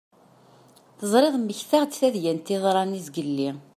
Teẓriḍ mmektaɣ-d tadyant yeḍran zgelli.